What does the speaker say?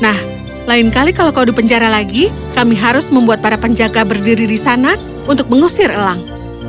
nah lain kali kalau kau di penjara lagi kami harus membuat para penjaga berdiri di sana untuk mengusir elang